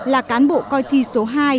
là cán bộ coi thi số hai